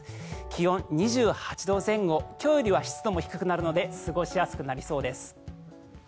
気温、２８度前後今日よりは湿度も低くなるので過ごしやすくなりそうです。